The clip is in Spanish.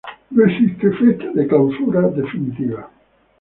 No existe fecha de clausura definitiva.